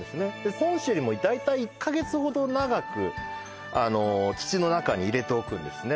本州よりも大体１か月ほど長くあの土の中に入れておくんですね